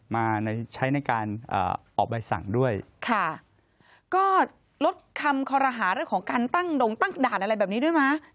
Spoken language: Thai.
มาใช้ในการออกใบสั่งด้วยค่ะก็ลดคำคอรหาเรื่องของการตั้งดงตั้งด่านอะไรแบบนี้ด้วยมั้ย